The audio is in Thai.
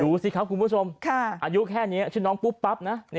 ดูสิครับคุณผู้ชมอายุแค่นี้ชื่อน้องปุ๊บปั๊บนะ